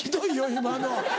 今の。